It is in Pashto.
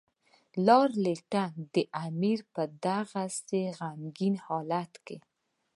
لارډ لیټن د امیر په دغسې غمګین حالت کې.